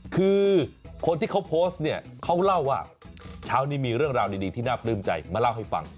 คือคนที่เขาโพสต์เนี่ยเขาเล่าว่าเช้านี้มีเรื่องราวดีที่น่าปลื้มใจมาเล่าให้ฟัง